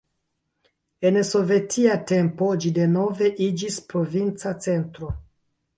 En sovetia tempo ĝi denove iĝis provinca centro.